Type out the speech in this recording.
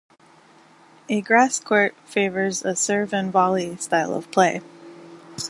A grass-court favours a serve and volley style of play.